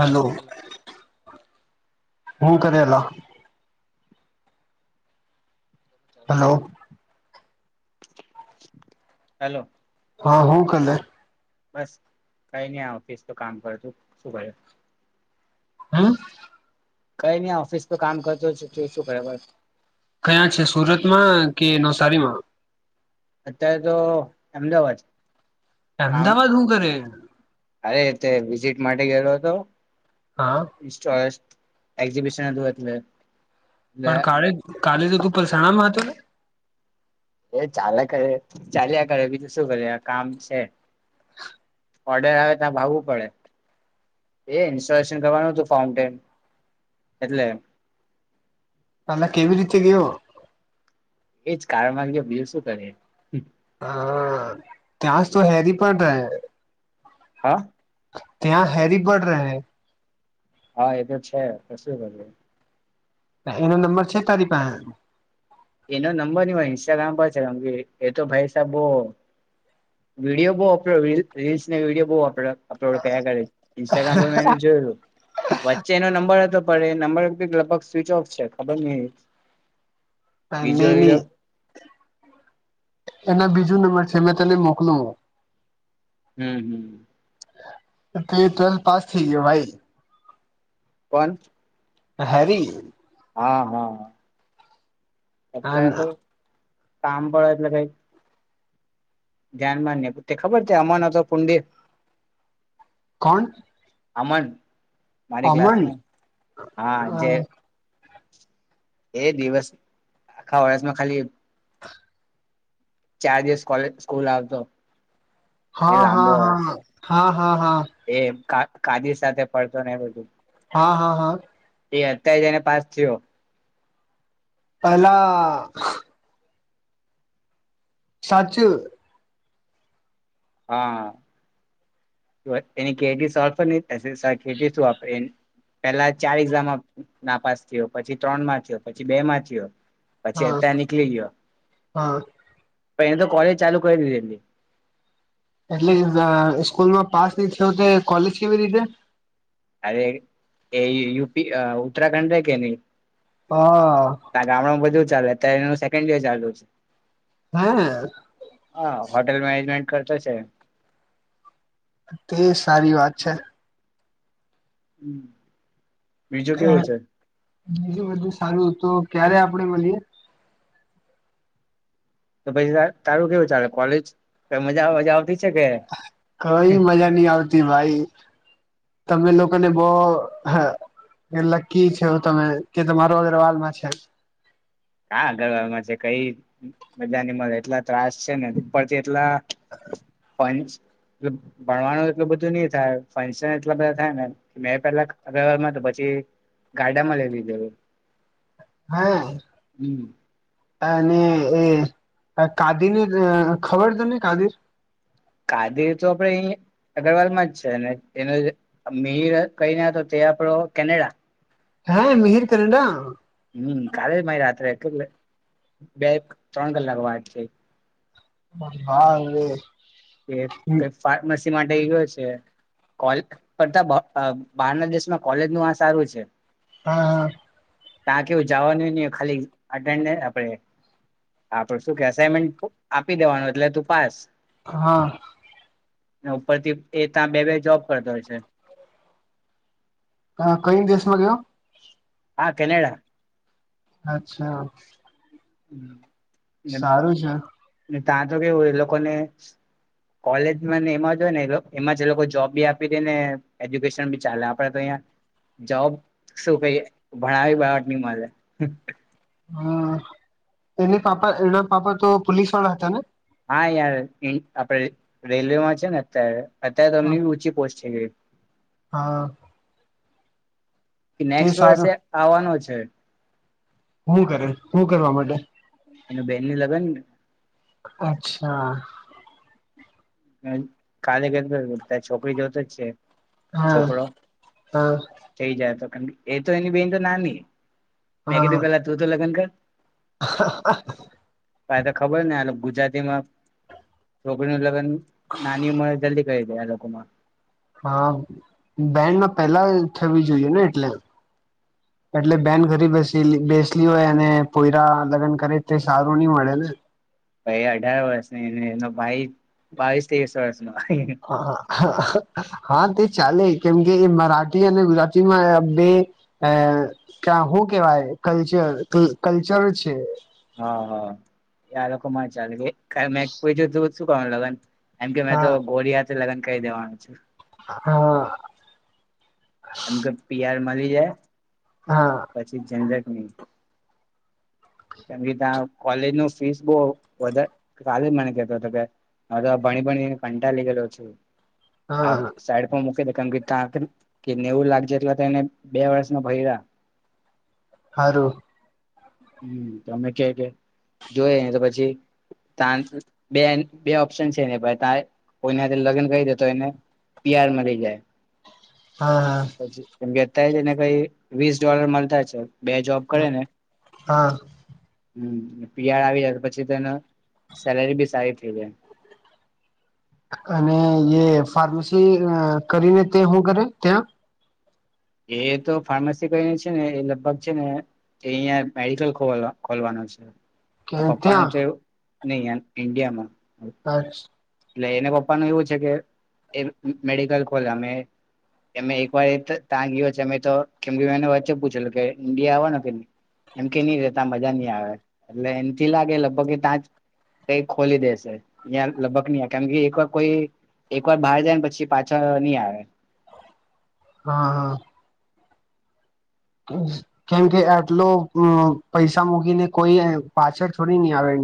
Hello હું કરેલા? Hello. Hello. હા હું કલે? બસ કઈ નહી ઓફિસ તો કામ કર, તું શું કરે? હમ? કઈ નહી ઓફિસ પર કામ કરતો તો શું કરે બોલ? કયાં છે સુરતમાં કે નવસારીમાં? અત્યારે તો અમદાવાદ. આમ અમદાવાદ હું કરે? અરે તે વિઝિટ માટે ગયેલો હતો. હા [unintelligible] એક્સીબીસન હતું એટલે. પણ એટલે કાલે કાલે તો તું પલસાણા માં હતું ને? ચાલેયા કરે ચાલ્યા કરે બીજું શું કરે કામ છે. ઓર્ડર આવે ત્યાં ભાગવું પડે એ ઇન્સ્ટોલેશન કરવાનું હતું ફાઉન્ટેન એટલે તમે કેવી રીતે ગયો. એજ કાર માંગે બીલ શું કરે હા ત્યાં જ તો હેરી પણ‌ રહે. હા ત્યાં હેરી પણ રહે હા એ તો છે શું કરીએ એનો નંબર છે તારી પાહે એનો નંબર ન હોય ઇન્સ્ટાગ્રામ પર છે કેમ કે એતો ભાઈ સાહેબ બો વિડીયો બહુ [unintelligible] રીલ્સને વિડીયો બહુ અપલો અપલોડ કયા કર ઇન્સ્ટાગ્રામ પર મેંને જોયું વચ્ચે એનો નંબર હતો પડે નંબર લગભગ સ્વિચોફ છે ખબર નહીં તનેની બીજું નંબર છે મેં તને મોકલું હમ્મ ટ્વેલ્થ પાસ થઇ ગયો ભાઈ કોણ હેરી હા હા અત્યારે તો ધ્યાન ની તે ખબર ટે અમનો હતો પુંડ કોણ અમન, મારી અમન ક્લાસમાં હા જે એ દિવસ આખા વરસમાં ખાલી ચાર દિવસ કોલેજ સ્કૂલ આવતો. એ લાંબો હા-હા-હા-હા-હા-હા-હા કા કાદી સાથે ફરતો ને બધું હા-હા-હા એ અત્યારે જ એને પાસ થયો પેલા સાચે હા એની કેટી સોલ્વ પણ નઈ થશે સાવ કેટી સુ આપણે એની પેલા ચાર એક્ઝામમાં નાપાસ થયો, પછી ત્રણ માં થયો, પછી બે માં થયો. પછી હા અત્યારે નીકળી ગયો હા પણ એને તો કોલેજ ચાલુ કરી દીધી હતી એટલે સ્કૂલમાં પાસ ન થયો, કોલેજ કેવી રીતે? અરે એ યૂપી ઉત્તરાખંડ કે નહી હા ત્યાં ગામડામાં બધું અત્યારે એનુ સેકેન્ડ યર ચાલતું હશે, હે હા હોટેલમાં કરતા છે તે સારી વાત છે. હમ્મ બીજું બધું સારું તો ક્યારે આપણેે મળીએ. તો પછી તારું કેવું ચાલે કોલેજ મજા મજા આવતી છે કે કઈ મજા નહી આવતી ભાઈ તમે લોકોને બવ હ એ લક્કી છે તમે કે તમારો અગરવાલમાં છે. હા ગરમાં છે કઈ બધાની એટલા ત્રાસ છે ને ઉપરથી એટલા ફંચ ભણવાનું એટલું બધુ ની થાય ફંક્શન એટલા બધા થાય ને મે પેલામા ક તો પછી ગાડામા લઈ લીધેલું હા હમ અને એ કાદીર ને અ ખબર તને કાદીર કાદીર તો આપડે અહી અગ્રવાલમા જ છે, ને એને મીહીર કહીને તો ત્યા આપડો કેનેડા હે મિહીર કેનેડા? હમ કાલે જ મારી રાત્રે એક બે ત્રણ કલાક વાત થઈ હા. એ કઈ ફાર્મસી માટે ગયો છે, કોલે કરતા બારના દેશમા કોલેજ નું આ સારું છે. હા હા. તા કેવુ જાવાનુ ની હોય ખાલી અટેન્ડે આપડે આપડે શું કે અસાઈનમેન્ટ આપી દેવાનુ એટલે તુ પાસ હા ઉપરથી એ તા બે બે જોબ કરતો છે. કઈન દેશમા ગયો? હા કેનેડા. અચ્છા હમ સારું છે તા તો કેવુ એ લોકોને કોલેજમા ને એમા જ હોય ને એમા લોકો જોબ બી આપી દેય ને એજ્યુકેશન બી ચાલે આપડે તો અહીઆ જોબ શું કહીએ ભણાવી બાત ની મળે હમ એને પાપા એના પાપા તો પોલીસ વાળા હતા ને? હા યાર ઈન આપડે રેલવેમા છે, ને અત્યારે અત્યારે તોમની બી ઊંચી પોસ્ટ થઈ ગઈ હા. એ તે નેક્સ્ટ વર્ષે સારું આવવાનો છે. હું કરે હું કરવા માટે એનું બેન નુ લગન ને અચ્છા, કાલે કેતો તો છોકરી જોતો જ છે. હા છોકરો હા થઈ જાય તો મ એ તો એની બેન તો નાની મેં હા કીધું પેલા તુ તો લગ્ન કર. ક તો ખબર ને આનુ ગુ જાતિ માં છોકડી નું લગ્ન એ લોકોમા હા બેનમા પેલા થવી જોઈએ ને એટલે એટલે બેન ઘરી બેસીલી બેસલી હોય અને પોયરા લગ્ન કરે તે સારું ની મળે ને પણ એ અઢાર વર્ષની એનો ભાઈ બાવીસ તવીસ વર્ષ હા હા હા હા તે ચાલે કેમકે એ મરાઠી અને ગુજરાતીમા બે એ કાહો હું કેવાય કલ્ચર કલ્ચર છે. હા હા આ લોકો મા ચાલે કે મે પુછ્યું કે તું શું કરવાનો લગ્ન? એમ કે મેં તો હા ગોરી હાથે લગન કરી દેવાનો છુ. હા. એમ કે પીઆર મલી જાય હા પછી ઝંજટ ની. કેમ કે તા કોલેજ નુ ફીસ બહુ વધારે કાલે જ મને કેતો તો કે હવે તો ભણી ભણીને કંટાલી ગેલો છું આ હા સાઈડ પર મૂકી દે કેમ કે તા કે નેવું લાખ જેટલા એટલે તો એને બે વર્ષ ના ભર્યા. હારું. તમે કેઈ તેમ જોયે નહીં તો પછી તાના બેન બે ઓપ્શન છે, તા કોઈ હારે લગ્ન કરી દેતો એને પિયાર મરી જાય હા પાછી બેતાઈ ને કઈ વીસ ડોલર મળતા છે. બે જોબ કરે હા ને હા. પી આર આવી જાય પછી તેન સેલેરી બી સારી થઈ જાય. [inaudible] અને એ ફાર્મસી કરીને તે હુ કરે તે. એ તો ફાર્મસી કરીને છે ને એ લગભગ છે ને એ અહિયાં મેડિકલ ખોલ ખોલવા નાજ ત્યાં પપ્પા ન ત્યાં તો એવું નહી અ ઇન્ડિયામાં. અચ્છા. એટલે એને પપ્પા ન એવું છે કે એ મેડિકલ ખોલા અમે અમે એક વાર ત્યાં ગયો છે અમે તો કેમ કે વચ્ચે પૂછેલું કે ઇન્ડિયા આવવાનો કે નહી. એમ કે નહી રે ત્યાં મજા ની આવે એટલે એમથી લાગે લગભગ એ ત્યાં જ કઈ ખોલી દેશે ત્યાં લગભગ કેમ કે એક વાર કોઈ એક વાર બહાર જાય ને પછી પાછા નહી આવે. હા. કેમ કે આટલોમ પૈસા મૂકીને કોઈ પાછળ છોડી નહી આવે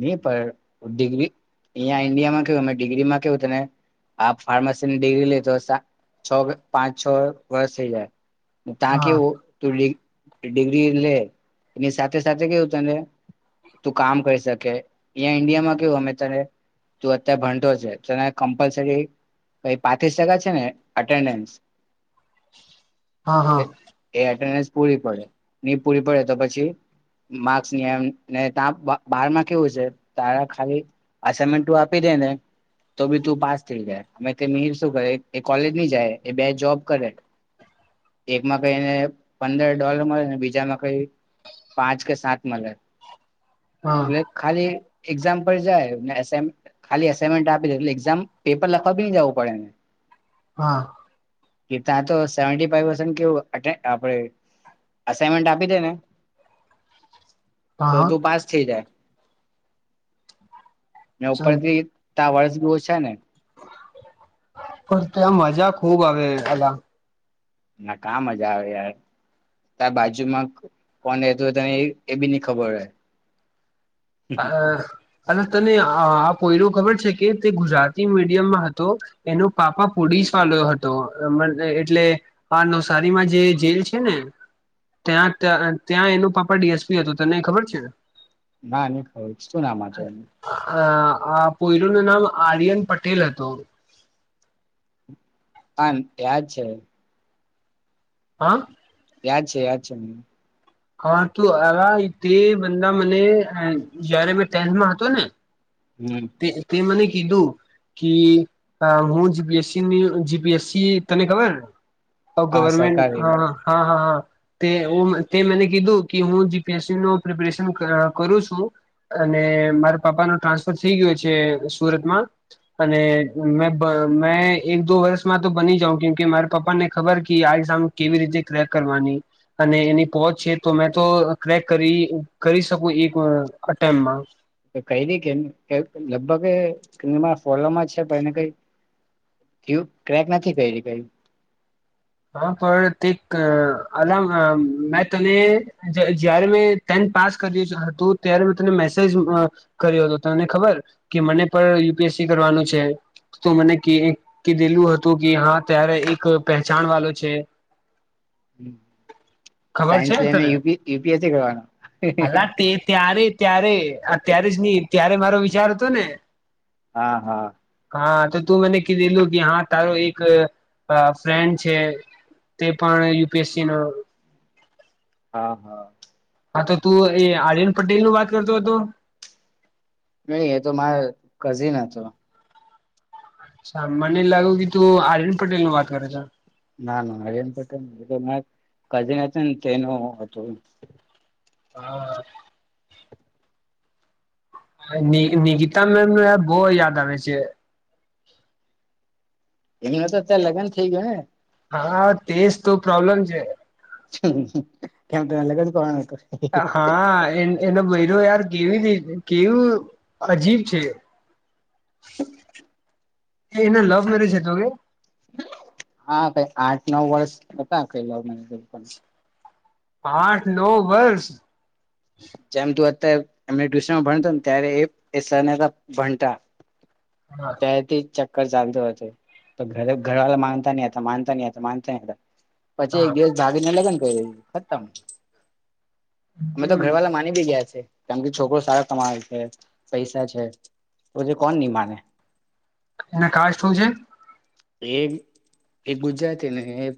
નહી પણ ડિગ્રી અહીંયા ઈન્ડિયામાં કેવુ અમે ડિગ્રી માં કેવ તને આપ ફાર્મસી ની ડિગ્રી લી તો છ પાંચ છ વર્ષ થઇ જાય તા હા કેવુ [unintelligible] ડિગ્રી લે એની સાથે સાથે કેવું તને તું કામ કરી શક કે અહીં ઇન્ડિયામાં કેવું અમે તને તું અત્યારે ભણતો છે ત કમ્પલસરી કઈ પાંત્રીસ ટકા છે ને અટેન્ડન્સ [unintelligible] હા હા કે એ અત્યારે પૂરી પડે ની પૂરી પડે તો પછી માર્ક ની આવે ને તા બ બારમાં કેવુ છે તારા ખાલી અસાઇમેન્ટ આપી દે ને તો બી તું પાસ થઈ જાય મેં કે નીર શું કરે એ કોલેજ ની જાય એ બે જોબ કરે. એકમાં કઈ એને પંદર ડોલર મળે બીજામાં કઈ પાંચ કે સાત મલે. હા લે ખાલી એક્ઝામ પર જાય ને એસાઈ મેન્ટ ખાલી એસાઈમેન્ટ આપી દે એક્ઝામ પેપર લખવા બી ન જવું પડે ને. હા. કે ત્યાં તો સેવાન્ટીફાઈવે પર્સન્ટ કેવું અટેન આપડે અસાઇમેન્ટ આપી દે ને [inaudible] હા તો હા તું પાસ થઈ જાય. મેં ચાલ ઉપરથી તારા વર્ષ બો ઓછા ને. પણ ત્યાં મજા ખુબ આવે પેલા ના કા મજા આવે યાર. ત્યા બાજુમાં કોણ રેતું તને એ બી ની ખબર હોય. હા. અલા તને આ કોયડું ખબર છે કે તે ગુજરાતી મીડિયમમાં હતો એનો પાપા પાડી શું વાંધો હતો [unintelligible] એટલે આ નવસારીમાં જે જેલ છે ને. ત્યાં ત્યાં એનું પાપા ડી એસ પી હતું તને ખબર છે. ના ની ખબર શું નામ હતે. અ આ પોયરો નું નામ આર્યન પટેલ હતો. આ ત્યાંજ છે. હા યાદ છે યાદ છે મ હા તું આ તે બા મને જયારે મે ટેન્થમાં હતો ને હમ તે તે મને કીધું કે હું જીપીએસસી જીપીએસસી તને ખબર હા ગવર્મેન્ટ સરકારી હા હા હા હા તે તે મેને કીધું કે હું જીપીએસસી ન પ્રિપેરેશન કરું છું અને મારા પાપા ન ટ્રાન્સફર થઈ ગયો છે સુરતમાં અને મે મેં એક દો વર્ષમાં તો બની જાઉં કેકે મારા પપ્પા ને ખબર કે આ કેવી રીતે કક કરવાની અને એની પોહોચ છે તો મેં તો ક્રેક કરી કરી શકું એક અટેમ્પમાં કઈ રી કે લગભગ સ્મા ફોલોમાં છે પણ એને કઈ કુ ક્રેક નથી કરી કઈ હા પણ તે અ મે તને જયારે મેટે પાસ કર હતું ત્યારે મે તને મેસેજ કર્યો હતો તને ખબર કે મને પણ યુપી કરવાનું છે તો મને કીધેલું હતું કે હા ત્યારે એક પ છાણ વાલો છે. સાયન્સ લ યુપીએસ. અલા તે ત્યારે ત્યારેત્યારે જ નહી ત્યારે મારો વિ જાર તો ને હા હા. હા તો તું મને કીધેલું કે હા તારો એક આ ફ્રેન્ડ છે તે પણ યુ પી એસ સી નો હા હા. હા તો તું એ આર્યન પટેલ નું વાત કરતો હતો. નહી એ તો મારે કઝિન હતો અચ્છા મને લાગે કે તું આરિંદ પટેલ નું વાત કરે છે. ના ના હરન પટેલ મા કઝિન હત ને તેનું હતું હા નિકિતા મે બહ યાદ આવે છે એ ન તો અત્યારે લગ્ન થઈ ગયો ને હા તેજ તો પ્રોબ્લેમ છે. કેમ તને લગન કરવાના છે કશે હા એ એનો બૈરો યાર કેેવી રી કેવું અજીબ છે. [unintelligible] એ એના લવ મેરેજ હતો કે હા આઠ નવ વર્ષ હતા કઈ લોવ આઠ નવ વર્ષ! જેમ તું અત્યારે એમને ટ્યુશનમાં ભણતો ને ત્યારે સર ભણતા હા [unintelligible] ચાલતું હતું તો ઘરે ઘરવાળા માનતા નહ હતા માનતા નહ હતા માનતા ન હતા પછી એક હા દિવસ ભાગીને લગન કર્યું ખતમ હમ ઘર વાળા માની બી ગયા છે. કારન કે છોકરો સારા કમાવે છે પૈસા છે તોછ કોણ નહી માને એના કાર શું છે? [unintelligible] એ ગુજરાતી ને એ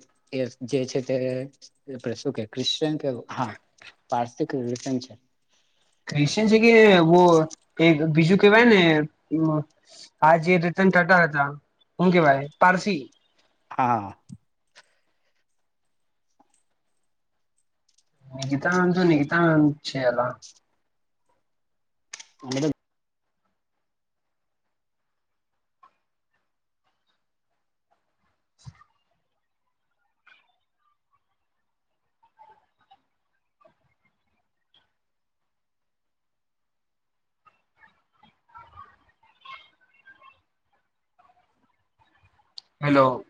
જે છે તે શું કે ક્રિશ્ચયન કે હા પારસિક ક્રિશ્ચન છે ક્રિશચયન છે કે બીજું કેવાય ને આ જે ટા હતા શું કેવાય પારસી હા. બીજુ તો વાંધોની [unintelligible] છે એલા તમેતો [inaudible] હેલો.